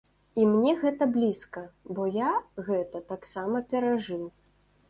І мне гэта блізка, бо я гэта таксама перажыў.